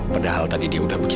saya scripturesnya udah selesai